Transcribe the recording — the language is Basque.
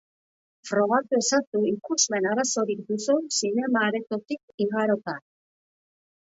Frogatu ezazu ikusmen arazorik duzun zinema-aretotik igarota.